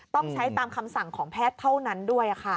ต้องใช้ตามคำสั่งของแพทย์เท่านั้นด้วยค่ะ